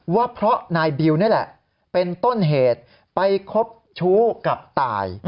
ว่าเพราะนายบิวนี่แหละเป็นต้นเหตุไปคบชู้กับตาย